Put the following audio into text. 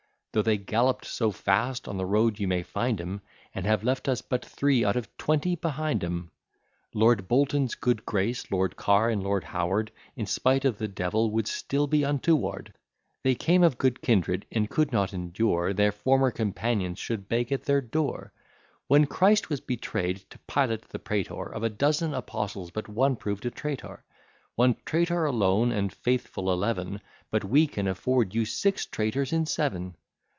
Though they gallop'd so fast, on the road you may find 'em, And have left us but three out of twenty behind 'em. Lord Bolton's good grace, Lord Carr and Lord Howard, In spite of the devil would still be untoward: They came of good kindred, and could not endure Their former companions should beg at their door. When Christ was betray'd to Pilate the pretor Of a dozen apostles but one proved a traitor: One traitor alone, and faithful eleven; But we can afford you six traitors in seven.